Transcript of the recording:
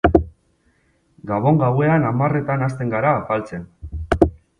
Gabon gauean hamarretan hasten gara afaltzen.